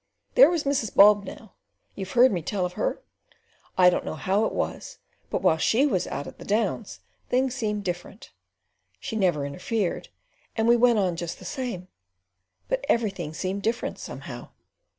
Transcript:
There was Mrs. Bob now. You've heard me tell of her? I don't know how it was, but while she was out at the "Downs" things seemed different. She never interfered and we went on just the same, but everything seemed different somehow."